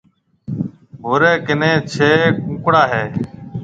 ڀوري ڪنَي ڇَي ڪونڪڙا هيَ۔